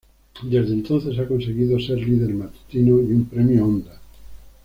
Desde entonces, ha conseguido ser líder matutino y un Premio Ondas.